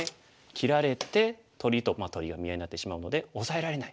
切られて取りと取りが見合いになってしまうのでオサえられない。